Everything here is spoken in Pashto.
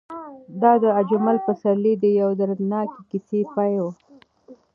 دا د اجمل پسرلي د یوې دردناکې کیسې پای و.